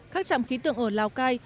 các trạm khí tượng ở lào cai